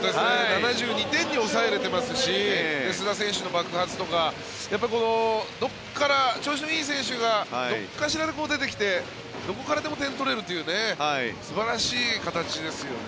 ７２点に抑えられてますし須田選手の爆発とかどこから、調子のいい選手がどこかしらで出てきてどこからでも点を取れるという素晴らしい形ですよね。